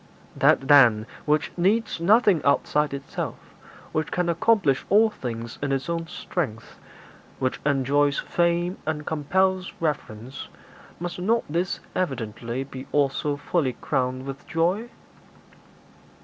'That, then, which needs nothing outside itself, which can accomplish all things in its own strength, which enjoys fame and compels reverence, must not this evidently be also fully crowned with joy?'